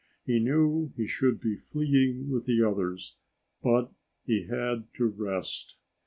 He knew he should be fleeing with the others, but he had to rest.